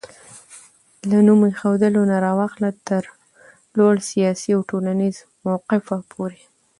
له نوم ايښودلو نه راواخله تر لوړ سياسي او ټولنيز موقفه پورې